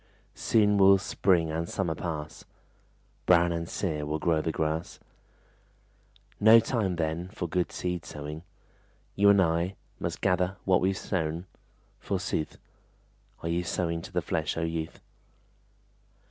Soon will spring and summer pass, Brown and sere will grow the grass; No time then for good seed sowing: You and I Must gather what we've sown, forsooth. Are you sowing to the flesh, O youth?